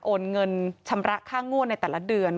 โอนเงินชำระค่างวดในแต่ละเดือน